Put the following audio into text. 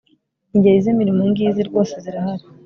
ingeri z'imirimo ngizi rwose zirahari